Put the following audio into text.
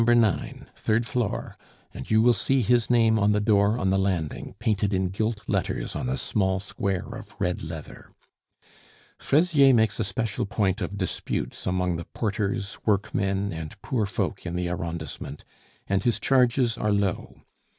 9, third floor, and you will see his name on the door on the landing, painted in gilt letters on a small square of red leather. Fraisier makes a special point of disputes among the porters, workmen, and poor folk in the arrondissement, and his charges are low.